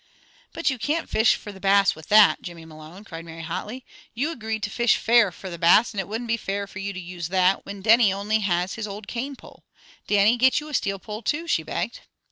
"But you can't fish for the Bass with that, Jimmy Malone," cried Mary hotly. "You agreed to fish fair for the Bass, and it wouldn't be fair for you to use that, whin Dannie only has his old cane pole. Dannie, get you a steel pole, too," she begged.